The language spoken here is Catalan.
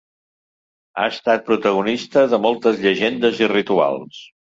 Ha estat protagonista de moltes llegendes i rituals.